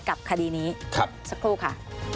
คดีนี้สักครู่ค่ะ